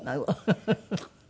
フフフフ。